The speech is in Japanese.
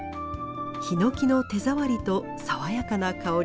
ヒノキの手触りと爽やかな香り。